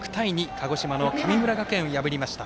鹿児島の神村学園を破りました。